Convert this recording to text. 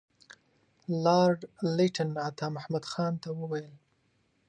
لارډ لیټن عطامحمد خان ته وویل.